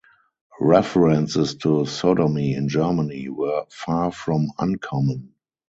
References to sodomy in Germany were far from uncommon.